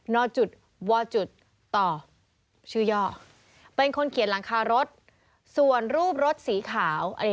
นวตชเป็นคนเขียนหลังคารถส่วนรูปรถสีขาว